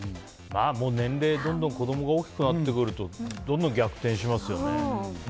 もう年齢が子供が大きくなってくるとどんどん逆転しますよね。